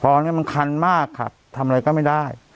พอนี้มันคันมากครับทำอะไรก็ไม่ได้